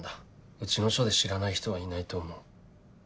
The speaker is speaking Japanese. うちの署で知らない人はいないと思う。